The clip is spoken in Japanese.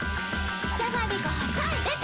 じゃがりこ細いでた‼